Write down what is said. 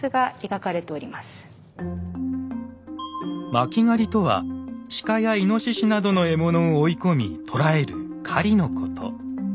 「巻狩」とは鹿やイノシシなどの獲物を追い込み捕らえる狩りのこと。